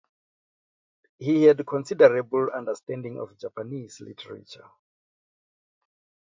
He had considerable understanding of Japanese literature.